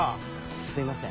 すいません。